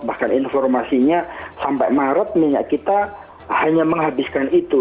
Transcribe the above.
bahkan informasinya sampai maret minyak kita hanya menghabiskan itu